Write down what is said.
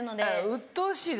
「うっとうしい」。